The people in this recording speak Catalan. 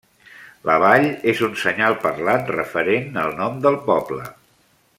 La vall és un senyal parlant referent al nom del poble.